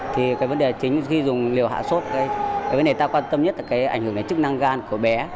thì cái vấn đề chính khi dùng liều hạ sốt cái vấn đề ta quan tâm nhất là cái ảnh hưởng đến chức năng gan của bé